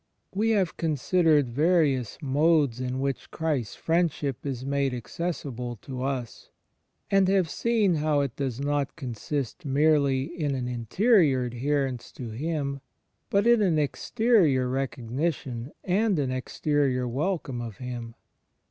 We have considered various modes in which Christ's CHRIST IN THE EXTERIOR 73 Friendship is made accessible to us; and have seen how it does not consist merely in an interior adherence to Him, but in an exterior recognition and an exterior welcome of Him.